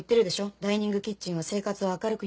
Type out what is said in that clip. ダイニングキッチンは生活を明るく豊かにする。